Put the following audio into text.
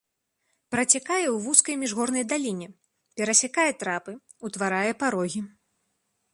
Працякае ў вузкай міжгорнай даліне, перасякае трапы, утварае парогі.